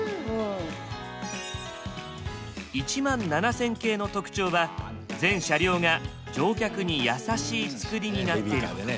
１７０００系の特徴は全車両が乗客に優しいつくりになっていること。